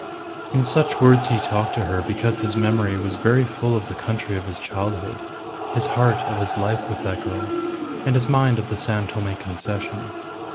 In such words he talked to her because his memory was very full of the country of his childhood, his heart of his life with that girl, and his mind of the San Tome Concession.